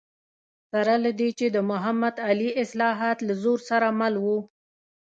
سره له دې چې د محمد علي اصلاحات له زور سره مل و.